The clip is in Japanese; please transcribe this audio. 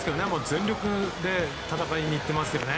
全力で戦いに行っていますね。